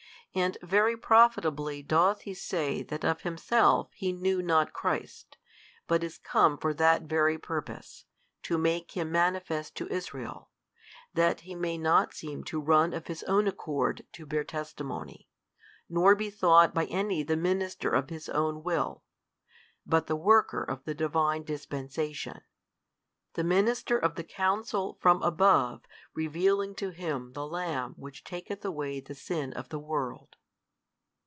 And very profitably doth he say that of himself he knew not Christ, but is come for that very purpose, to make Him manifest to Israel, that he may not seem to run of his own accord to bear testimony, nor be thought by any the minister of his own will, but the worker of the Divine dispensation, the minister of the Counsel from above revealing to him the Lamb Which taketh away the sin of the world.